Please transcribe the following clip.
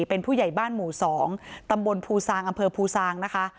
เป็นผู้ใหญ่บ้านหมู่๒ตำบลภูซางอำเภอภูซางนะคะ